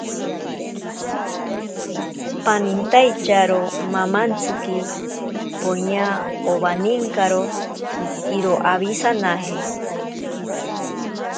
Panintaiyaro mamantsiki poña owaninkaro iroo awisanaje.